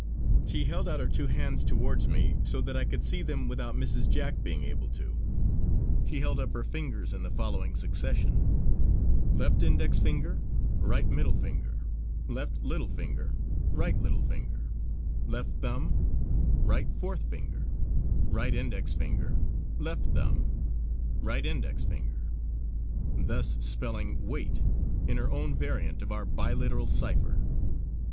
She held out her two hands towards me so that I could see them without Mrs. Jack being able to. She held up her fingers in the following succession: Left index finger, right middle finger, left little finger, right little finger, left thumb, right fourth finger, right index finger, left thumb, right index finger; thus spelling "wait" in her own variant of our biliteral cipher.